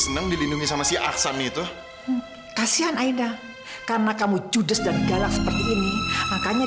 senang dilindungi sama si aksan itu kasihan aida karena kamu cudes dan galak seperti ini makanya